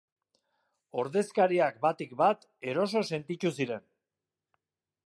Ordezkariak batik bat eroso sentitu ziren.